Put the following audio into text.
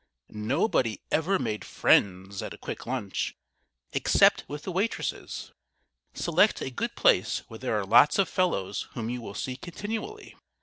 Nobody ever made friends at a Quick Lunch, except with the waitresses. Select a good place where there are lots of fellows whom you will see continually.